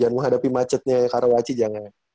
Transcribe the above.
jangan mau hadapi macetnya karawaci jangan